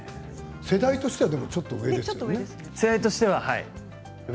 世代としてはちょっと上ですよね。